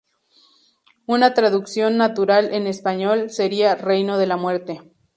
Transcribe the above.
Una traducción natural en español sería "Reino de la Muerte".